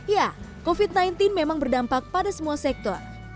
ya covid sembilan belas memang berdampak pada semua sektor